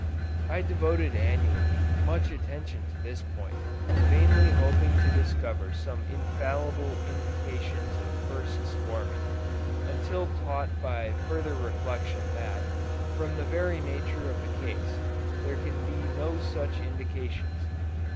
I devoted annually, much attention to this point, vainly hoping to discover some infallible indications of first swarming; until taught by further reflection that, from the very nature of the case, there can be no such indications.